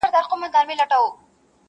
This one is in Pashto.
څارنوال د ځان په جُرم نه پوهېږي,